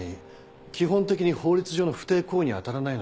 基本的に法律上の不貞行為には当たらないので。